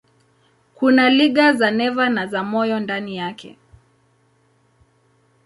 Kuna liga za neva na za moyo ndani yake.